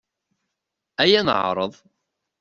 Aya ad neɛreḍ!